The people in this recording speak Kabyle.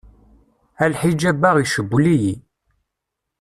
A lḥijab-a i cewwel-iyi.